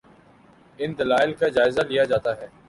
ان دلائل کا جائزہ لیا جاتا ہے۔